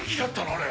あれ。